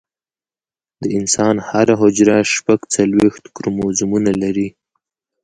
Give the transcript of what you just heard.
د انسان هره حجره شپږ څلوېښت کروموزومونه لري